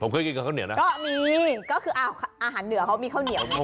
ข้าวเหนียวกับข้าวเหนียว